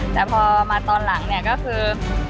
แต่พอมาตอนหลังเนี่ยก็คือ